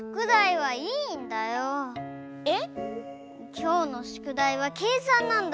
きょうのしゅくだいはけいさんなんだ。